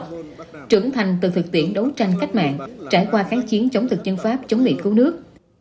cố thủ tướng võ văn kiệt được thực tiễn đấu tranh cách mạng trải qua kháng chiến chống thực dân pháp chống bị cố nước